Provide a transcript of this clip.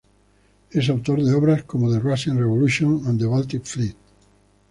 Es autor de obras como "The Russian Revolution and the Baltic Fleet.